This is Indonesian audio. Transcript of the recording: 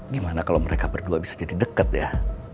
gimana kalau mereka berdua bisa jadi dekat ya